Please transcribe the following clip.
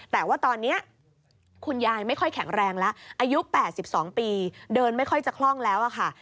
แต่ว่าตอนนี้คุณยายไม่ค่อยแข็งแรงแล้วอายุ๘๒ปีเดินไม่ค่อยจะคล่องแล้วค่ะ